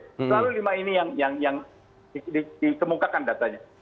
selalu lima ini yang dikemukakan datanya